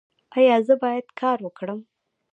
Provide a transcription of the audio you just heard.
ایا زه باید کار وکړم؟